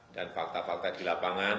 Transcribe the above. dan fakta fakta di lapangan